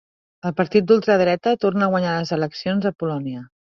El partit d'ultradreta torna a guanyar les eleccions a Polònia.